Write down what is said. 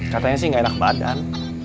katanya sih nggak enak badan